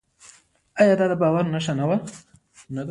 آیا دا د باور نښه نه ده؟